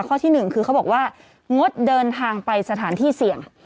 ข้อที่๑คือเขาบอกว่างดเดินทางไปสถานที่เสี่ยง